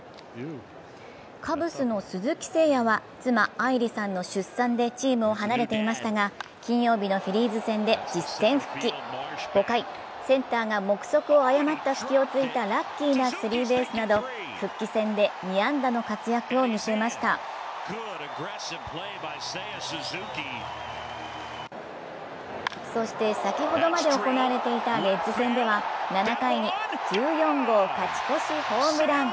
カブスの鈴木誠也は妻・愛理さんの出産でチームを離れていましたが、金曜日のフィリーズ戦で５回、センターが目測を誤った隙を突いたラッキーなスリーベースなど復帰戦で２安打の活躍を見せましたそして先ほどまで行われていたレッズ戦では７回に１４号勝ち越しホームラン。